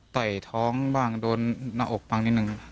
ยท้องบ้างโดนหน้าอกบ้างนิดนึง